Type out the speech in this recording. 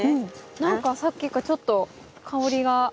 何かさっきからちょっと香りが。